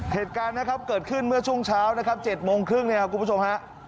เหตุการณ์ขึ้นเมื่อช่วงเช้านะครับ๗โมงครึ่งครับคุณผู้ชมครับ